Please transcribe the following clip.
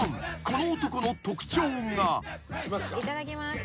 ［この男の特徴が］いただきます。